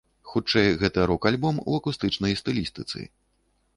Хутчэй гэта рок-альбом у акустычнай стылістыцы.